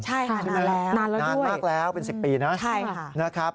ใช่นานแล้วนานมากแล้วเป็น๑๐ปีนะ